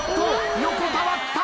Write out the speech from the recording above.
横たわった。